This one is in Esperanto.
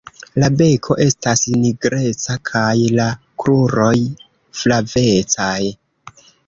La beko estas nigreca kaj la kruroj flavecaj.